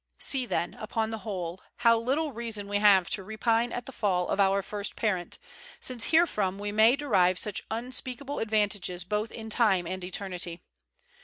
See then, upon the whole, how little reason we have to repine at the fall of our first parent, since herefrom we may derive such unspeakable advantages both in time and eternity.